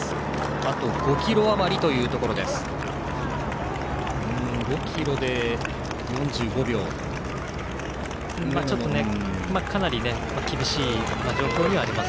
あと５ｋｍあまりというところです。